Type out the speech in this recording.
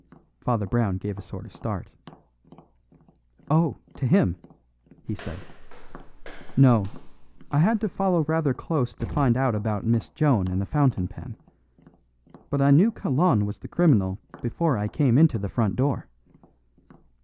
Father Brown gave a sort of start. "Oh! to him," he said. "No; I had to follow rather close to find out about Miss Joan and the fountain pen. But I knew Kalon was the criminal before I came into the front door."